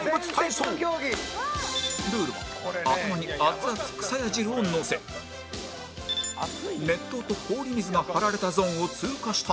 ルールは頭に熱々くさや汁をのせ熱湯と氷水が張られたゾーンを通過した